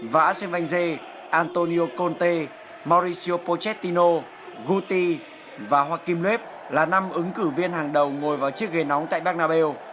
và asean vang zê antonio conte mauricio pochettino guti và joaquim lep là năm ứng cử viên hàng đầu ngồi vào chiếc ghế nóng tại bernabeu